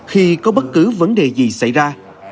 khi có bất cứ vấn đề gì xảy ra